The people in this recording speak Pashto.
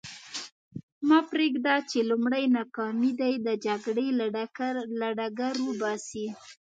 مه پرېږده چې لومړۍ ناکامي دې د جګړې له ډګر وباسي.